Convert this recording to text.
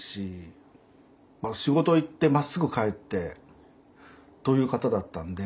仕事行ってまっすぐ帰ってという方だったんで。